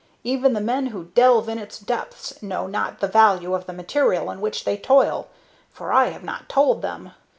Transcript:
Even the men who delve in its depths know not the value of the material in which they toil, for I have not told them.